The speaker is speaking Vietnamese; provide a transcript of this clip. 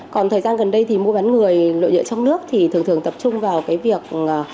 còn thời gian gần đây thì mua bán người nội địa trong nước thì thường thường tập trung vào cái việc